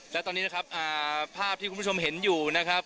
และตอนนี้นะครับภาพที่คุณผู้ชมเห็นอยู่นะครับ